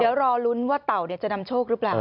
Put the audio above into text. แล้วโรลุ้นว่าตัวจะนำโชครึเปล่า